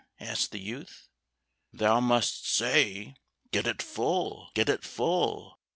asked the youth. "Thou must say, 'Get it full, get it full.